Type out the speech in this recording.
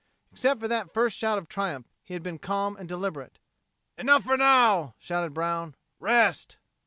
Except for that first shout of triumph, he had been calm and deliberate. "Enough for now," shouted Brown. "Rest!"